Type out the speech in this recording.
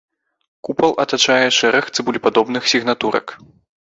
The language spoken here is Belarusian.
Купал атачае шэраг цыбулепадобных сігнатурак.